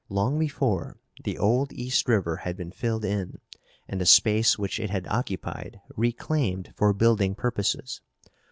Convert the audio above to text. Long before the old East River had been filled in and the space which it had occupied reclaimed for building purposes.